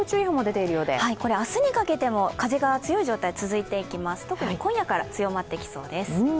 明日にかけても風が強い状態、続いていきます、特に今夜から強まっていきそうです。